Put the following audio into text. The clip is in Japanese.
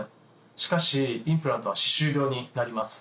しかしインプラントは歯周病になります。